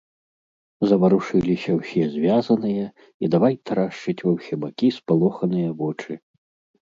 Заварушыліся ўсе звязаныя і давай тарашчыць ва ўсе бакі спалоханыя вочы.